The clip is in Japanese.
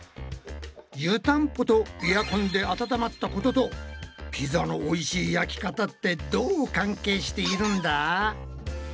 湯たんぽとエアコンで温まったこととピザのおいしい焼き方ってどう関係しているんだ？